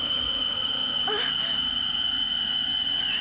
untuk mendukung dunia